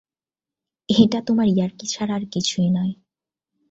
এটা তোমার ইয়ার্কি ছাড়া আর কিছুই নয়।